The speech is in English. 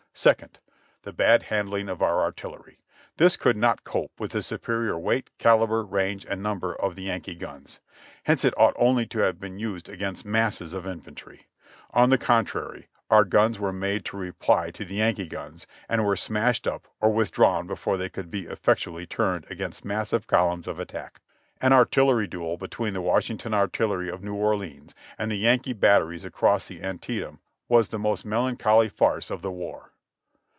"2nd. The bad handling of our artillery. This could not cope with the superior weight, calibre, range and number of the Yankee guns. Hence it ought only to have been used against masses of infantry; on the contrary our guns were made to reply to the Yankee guns, and were smashed up or withdrawn before they could be effectually turned against massive columns of attack. An artillery duel between the Washington Artillery of New Orleans and the Yankee batteries across the Antietam was the most melancholy farce of the war.